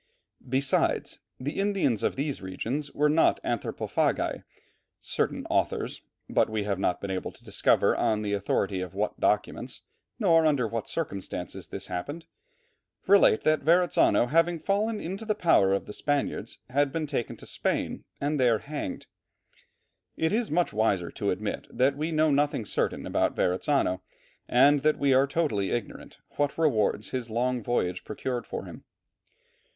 Besides, the Indians of these regions were not anthropophagi. Certain authors, but we have not been able to discover on the authority of what documents, nor under what circumstances this happened, relate that Verrazzano having fallen into the power of the Spaniards, had been taken to Spain and there hanged. It is wiser to admit that we know nothing certain about Verrazzano, and that we are totally ignorant what rewards his long voyage procured for him.